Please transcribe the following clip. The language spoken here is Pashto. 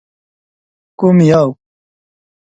_کوم يو؟